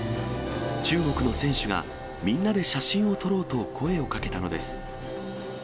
中国の選手が、みんなで写真を撮ろうと声をかけたのです。